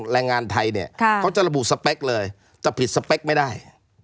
แรงงานไทยเนี่ยเขาจะระบุสเปคเลยแต่ผิดสเปคไม่ได้